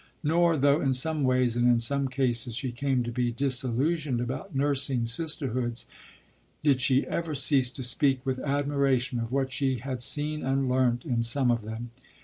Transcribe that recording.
Nor, though in some ways and in some cases she came to be disillusioned about nursing sisterhoods, did she ever cease to speak with admiration of what she had seen and learnt in some of them.